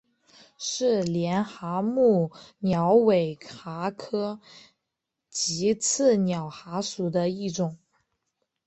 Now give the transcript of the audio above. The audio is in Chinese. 是帘蛤目鸟尾蛤科棘刺鸟蛤属的一种。